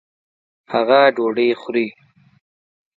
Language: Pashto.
هغه ډوډۍ خوري